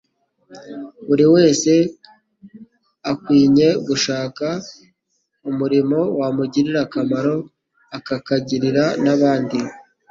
Buri wese akwinye gushaka umurimo wamugirira akamaro, ukakagirira n'abandi.